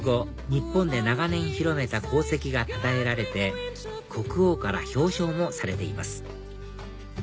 日本で長年広めた功績がたたえられて国王から表彰もされています